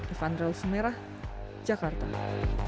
evandrel semerah jakarta